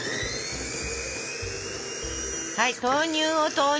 はい豆乳を投入。